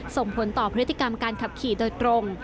ส่งผลต่อพฤติกรรมการขับขี่โดยตรง